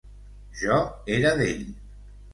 Jo era d'ell.